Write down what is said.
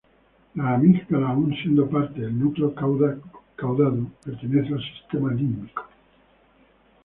La amígdala aun siendo parte del núcleo caudado, pertenece al sistema límbico.